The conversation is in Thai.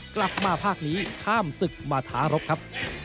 กลับมาภาคนี้ข้ามศึกมาท้ารบครับ